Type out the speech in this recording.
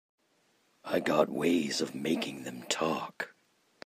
I got ways of making them talk.